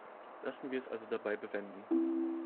Lassen wir es also dabei bewenden.